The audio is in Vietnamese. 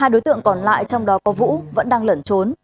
hai đối tượng còn lại trong đó có vũ vẫn đang lẩn trốn